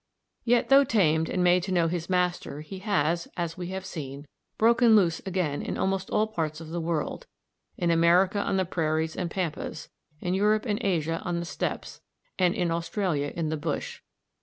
Yet though tamed and made to know his master he has, as we have seen, broken loose again in almost all parts of the world in America on the prairies and pampas, in Europe and Asia on the steppes, and in Australia in the bush.